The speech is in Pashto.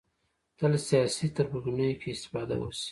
تل سیاسي تربګنیو کې استفاده وشي